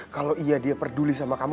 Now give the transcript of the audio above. kalau iya dia peduli sama kamu